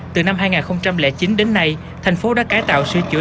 từ năm hai nghìn chín đến nay thành phố đã cải tạo sửa chữa